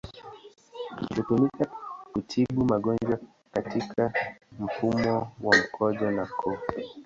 Hutumika kutibu magonjwa katika mfumo wa mkojo na koo.